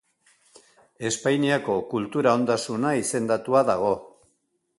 Espainiako Kultura Ondasuna izendatua dago.